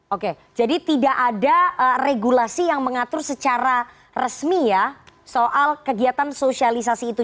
oke jadi tidak ada regulasi yang mengatur secara resmi ya soal kegiatan sosialisasi itu